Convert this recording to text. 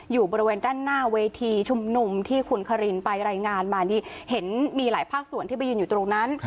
อยู่บริเวณด้านหน้าเวทีชุมนุมที่คุณคารินไปรายงานมานี่เห็นมีหลายภาคส่วนที่ไปยืนอยู่ตรงนั้น